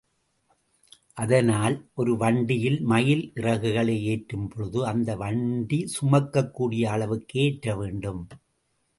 அதனால் ஒரு வண்டியில் மயில் இறகுகளை ஏற்றும்பொழுது அந்த வண்டி சுமக்கக்கூடிய அளவுக்கே ஏற்றவேண்டும்.